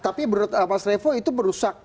tapi menurut pak srevo itu berusak